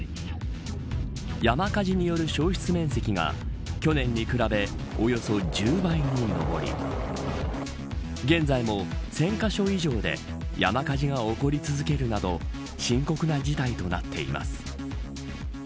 山火事による焼失面積が去年に比べおよそ１０倍に上り現在も１０００カ所以上で山火事が起こり続けるなど深刻な事態となっています。